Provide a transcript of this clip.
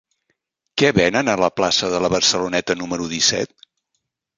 Què venen a la platja de la Barceloneta número disset?